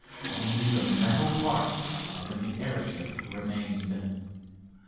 Only the metal parts of an airship remained.